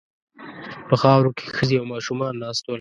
په خاورو کې ښځې او ماشومان ناست ول.